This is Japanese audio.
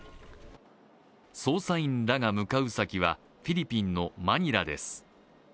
捜査員らが向かう先はフィリピンのマニラです。